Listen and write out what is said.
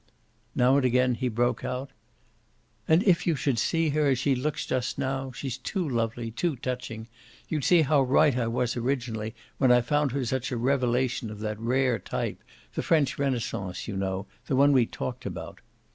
Now and again he broke out: "And if you should see her as she looks just now she's too lovely, too touching! you'd see how right I was originally, when I found her such a revelation of that rare type, the French Renaissance, you know, the one we talked about."